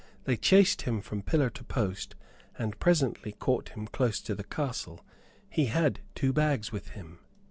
They chased him from pillar to post, and presently caught him close to the castle. He had two bags with him."